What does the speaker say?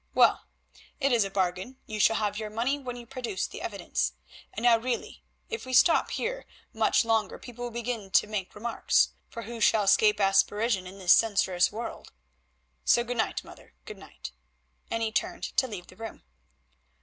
Well, it is a bargain—you shall have your money when you produce the evidence. And now really if we stop here much longer people will begin to make remarks, for who shall escape aspersion in this censorious world? So good night, mother, good night," and he turned to leave the room.